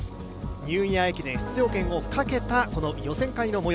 ニューイヤー駅伝出場権をかけた、この予選会の模様。